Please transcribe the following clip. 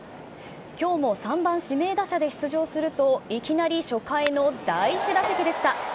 きょうも３番指名打者で出場すると、いきなり初回の第１打席でした。